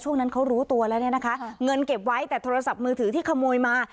เงินเก็บไว้แต่โทรศัพท์มือถือที่ขโมยมา